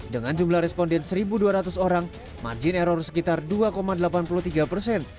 dengan jumlah responden satu dua ratus orang margin error sekitar dua delapan puluh tiga persen